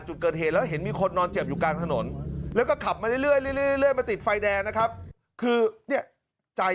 ชนปลอตศัยกลางถนนสาย๓๑๙๑